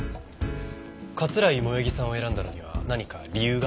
桂井萌衣さんを選んだのには何か理由が？